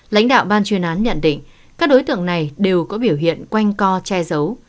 lãnh đạo ban chuyên án nhận định các đối tượng này đều có biểu hiện quanh co che giấu